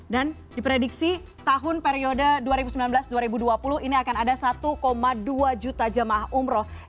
dan di prediksi tahun periode dua ribu sembilan belas dua ribu dua puluh ini akan ada satu dua juta jemaah umroh